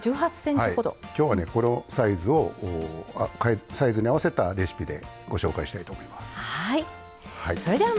今日は、このサイズに合わせたレシピでご紹介したいと思います。